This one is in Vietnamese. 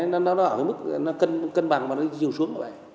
nó ở cái mức nó cân bằng mà nó chiều xuống như vậy